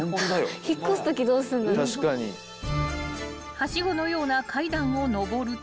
［はしごのような階段を上ると］